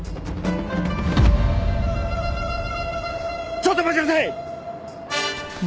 ちょっと待ちなさい！